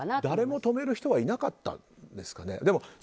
誰も止める人はいなかったんですかね。